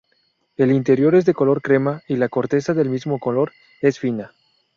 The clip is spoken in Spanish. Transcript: El interior es de color crema y la corteza, del mismo color, es fina.